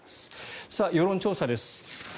世論調査です。